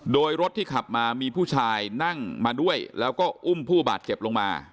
โดยรถที่ขับมามีผู้ชายนั่งมาด้วยแล้วก็อุ้มผู้บาดเจ็บลงมา